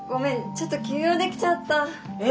ちょっと急用出来ちゃった！え！？